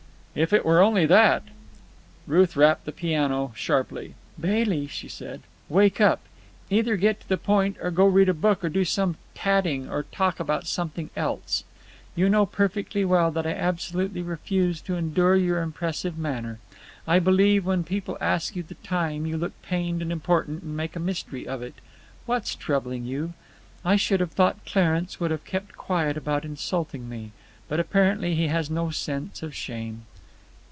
"If it were only that!" Ruth rapped the piano sharply. "Bailey," she said, "wake up. Either get to the point or go or read a book or do some tatting or talk about something else. You know perfectly well that I absolutely refuse to endure your impressive manner. I believe when people ask you the time you look pained and important and make a mystery of it. What's troubling you? I should have thought Clarence would have kept quiet about insulting me. But apparently he has no sense of shame."